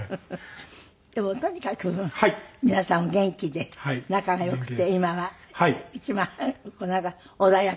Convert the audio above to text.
でもとにかく皆さんお元気で仲が良くて今は一番穏やかな。